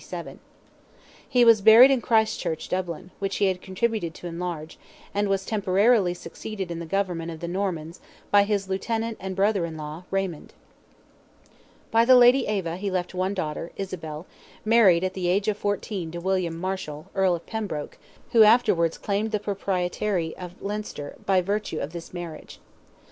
He was buried in Christ Church, Dublin, which he had contributed to enlarge, and was temporarily succeeded in the government of the Normans by his lieutenant and brother in law, Raymond. By the Lady Eva he left one daughter, Isabel, married at the age of fourteen to William Marshall, Earl of Pembroke, who afterwards claimed the proprietary of Leinster, by virtue of this marriage.